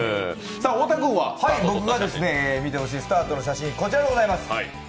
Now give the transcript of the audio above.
僕が見てほしいスターとの写真、こちらでございます。